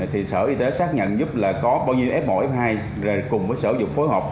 thì sở y tế xác nhận giúp là có bao nhiêu f một f hai rồi cùng với sở dục phối hợp